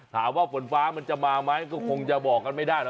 ถามว่าฝนฟ้ามันจะมาไหมก็คงจะบอกกันไม่ได้หรอ